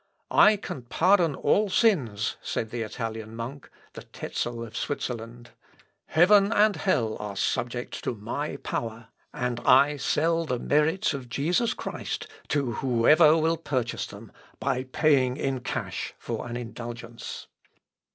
"I can pardon all sins," said the Italian monk, the Tezel of Switzerland. "Heaven and hell are subject to my power, and I sell the merits of Jesus Christ to whoever will purchase them, by paying in cash for an indulgence."